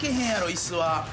椅子は。